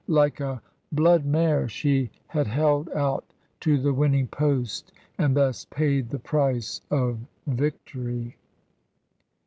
Like a blood mare, she had held out to the winning post, and thus paid the price of victory.